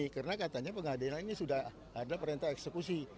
karena katanya pengadilan ini sudah ada perintah eksekusi